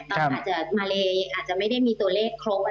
ตอนมาเลอาจจะไม่ได้มีตัวเลขครบ